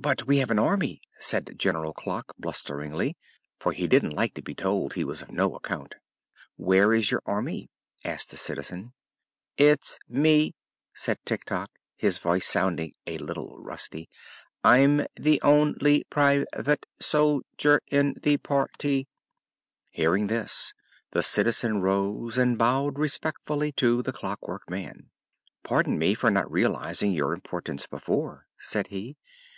"But we have an Army," said General Clock, blusteringly, for he didn't like to be told he was of no account. "Where is your Army?" asked the Citizen. "It's me," said Tik Tok, his voice sounding a little rusty. "I'm the on ly Pri vate Sol dier in the par ty." Hearing this, the Citizen rose and bowed respectfully to the Clockwork Man. "Pardon me for not realizing your importance before," said he.